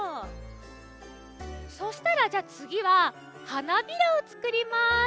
そしたらじゃあつぎは花びらをつくります。